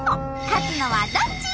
勝つのはどっち！？